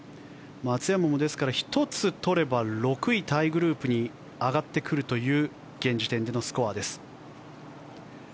松山も１つ取れば６位タイグループに上がってくるという現時点でのスコアです。